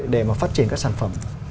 để mà phát triển các sản phẩm